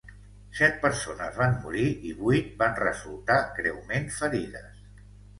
Set persones van morir i vuit van resultar greument ferides.